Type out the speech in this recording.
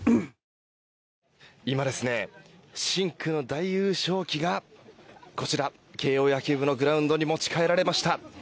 今、深紅の大優勝旗がこちら慶応野球部のグラウンドに持ち帰られました。